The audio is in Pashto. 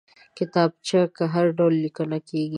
کتابچه کې هر ډول لیکنه کېږي